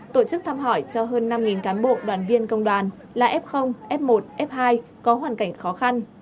tổ chức thăm hỏi cho hơn năm cán bộ đoàn viên công đoàn là f f một f hai có hoàn cảnh khó khăn